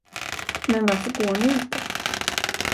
Men varför går ni inte?